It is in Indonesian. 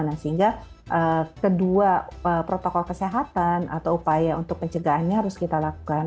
nah sehingga kedua protokol kesehatan atau upaya untuk pencegahannya harus kita lakukan